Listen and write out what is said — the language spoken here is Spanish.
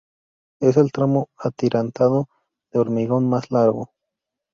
Es el tramo atirantado de hormigón más largo.